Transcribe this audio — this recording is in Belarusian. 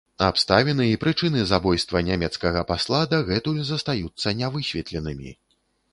Абставіны і прычыны забойства нямецкага пасла дагэтуль застаюцца не высветленымі.